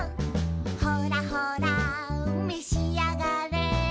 「ほらほらめしあがれ」